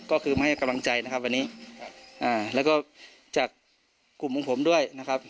ก็คือมาให้กำลังใจนะครับวันนี้แล้วก็จากกลุ่มของผมด้วยนะครับ